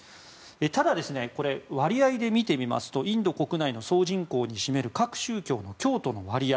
ただ、これ割合で見てみますとインド国内の総人口を占める各宗教の割合